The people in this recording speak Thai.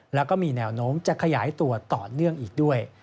แล้วก็มีแนวโน้มจะขยายตัวต่อเนื่องอีกด้วย